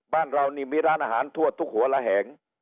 บ้านเรานี่มีร้านอาหารทั่วทุกหัวระแหง